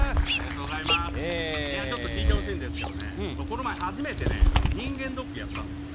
ちょっと聞いてほしいんですけど僕、この前初めて人間ドックやったんですよね。